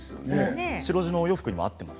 白地のお洋服にも合っています。